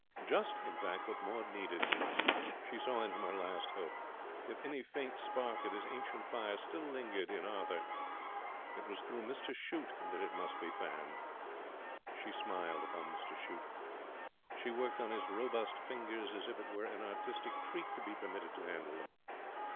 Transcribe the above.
Just, in fact, what Maud needed. She saw in him her last hope. If any faint spark of his ancient fire still lingered in Arthur, it was through Mr Shute that it must be fanned. She smiled upon Mr Shute. She worked on his robust fingers as if it were an artistic treat to be permitted to handle them.